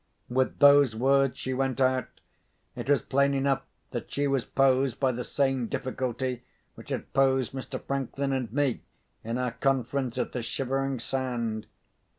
With those words, she went out. It was plain enough that she was posed by the same difficulty which had posed Mr. Franklin and me in our conference at the Shivering Sand.